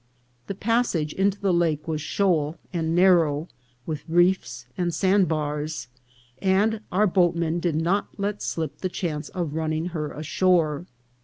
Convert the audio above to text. The passage into the lake was shoal and narrow, with reefs and sandbars, and our boatmen did not let slip the chance of running her ashore.